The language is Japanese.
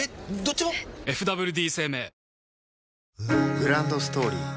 グランドストーリー